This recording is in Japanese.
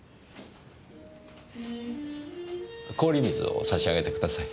氷水を差し上げてください。